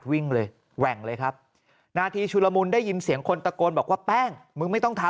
วิ่งเลยแหว่งเลยครับนาทีชุลมุนได้ยินเสียงคนตะโกนบอกว่าแป้งมึงไม่ต้องทำ